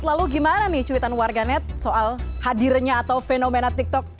lalu gimana nih cuitan warganet soal hadirnya atau fenomena tiktok